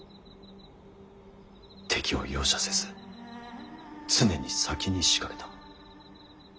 敵を容赦せず常に先に仕掛けた。